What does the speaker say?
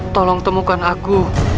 tolong temukan aku